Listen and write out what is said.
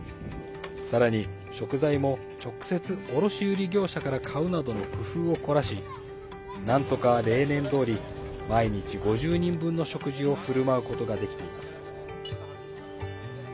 さらに食材も直接、卸売業者から買うなどの工夫を凝らしなんとか例年どおり毎日５０人分の食事をふるまうことができています。